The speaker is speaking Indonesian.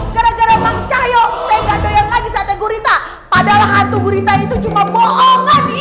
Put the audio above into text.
gara gara bang cahyok saya gandoyan lagi saatnya gurita padahal hantu gurita itu cuma bohongan